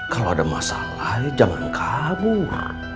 kalau ada masalah ya jangan kabur